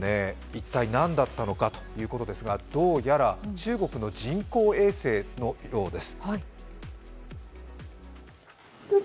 一体何だったのかということですが、どうやら人工衛星のようです。